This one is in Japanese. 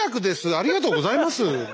ありがとうございます。